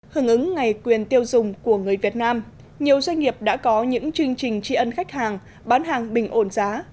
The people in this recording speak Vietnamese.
hưởng ứng ngày quyền tiêu dùng của người việt nam nhiều doanh nghiệp đã có những chương trình tri ân khách hàng bán hàng bình ổn giá